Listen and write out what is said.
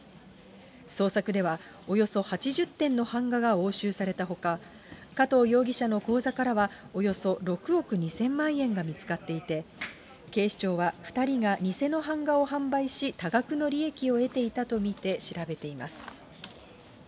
捜索ではおよそ８０点の版画が押収されたほか、加藤容疑者の口座からは、およそ６億２０００万円が見つかっていて、警視庁は２人が偽の版画を販売し、多額の利益を得ていたとみて、調べています。